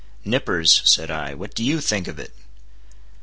"Nippers," said I, "what do you think of it?"